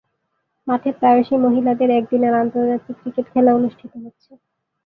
মাঠে প্রায়শঃই মহিলাদের একদিনের আন্তর্জাতিক ক্রিকেট খেলা অনুষ্ঠিত হচ্ছে।